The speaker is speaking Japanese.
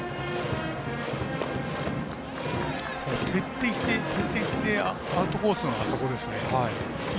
徹底してアウトコースのあそこですね。